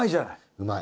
うまい。